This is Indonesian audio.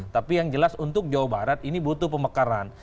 tapi yang jelas untuk jawa barat ini butuh pemekaran